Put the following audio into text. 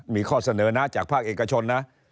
มีข้อเสนอนะจากภาคเอกชนนะ